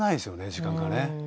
時間がね。